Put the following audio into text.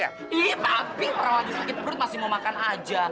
eh tapi orang lagi sakit perut masih mau makan aja